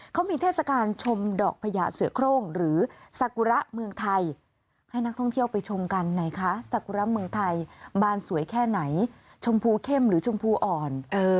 เขามีเทศกาลชมดอกพญาเสือโครงหรือสากุระเมืองไทยให้นักท่องเที่ยวไปชมกันไหนคะสากุระเมืองไทยบานสวยแค่ไหนชมพูเข้มหรือชมพูอ่อน